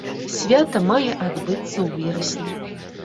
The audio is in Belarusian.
Свята мае адбыцца ў верасні.